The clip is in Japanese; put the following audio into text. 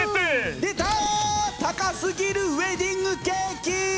出た高すぎるウエディングケーキ！